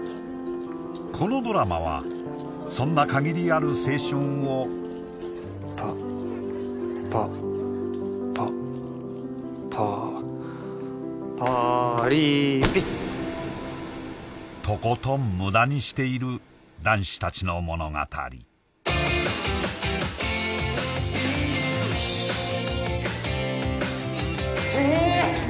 このドラマはそんな限りある青春をパパパパパリピとことん無駄にしている男子たちの物語君！